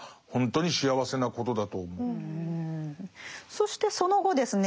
そしてその後ですね